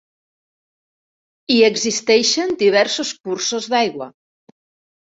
Hi existeixen diversos cursos d'aigua.